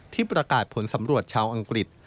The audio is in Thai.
ที่ประกาศผลสำรวจชาวอังกฤษ